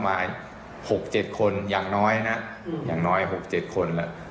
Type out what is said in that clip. มา๖๗คนอย่างน้อยนะอย่างน้อย๖๗คน